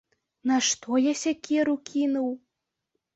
Нашто я сякеру кінуў!